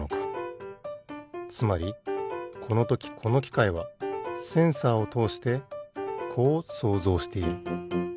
つまりこのときこのきかいはセンサーをとおしてこう想像している。